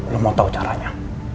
lo mau tahu caranya